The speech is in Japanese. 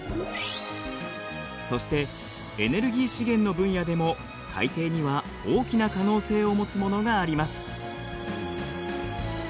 そしてエネルギー資源の分野でも海底には大きな可能性を持つものがあります。